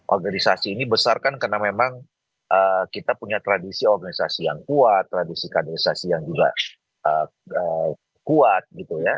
organisasi ini besar kan karena memang kita punya tradisi organisasi yang kuat tradisi kaderisasi yang juga kuat gitu ya